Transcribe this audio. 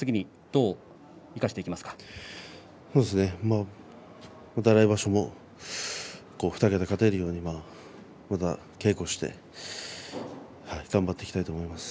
そうですねまた来場所も２桁勝てるようにまた稽古をして頑張っていきたいと思います。